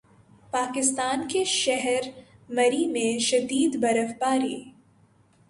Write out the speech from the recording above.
پاکستان کے شہر مری میں شدید برف باری